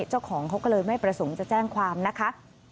เจ้าของเขาก็เลยไม่ประสงค์จะแจ้งความนะคะ